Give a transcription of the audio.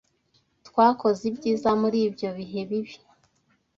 Twakoze ibyiza muribyo bihe bibi.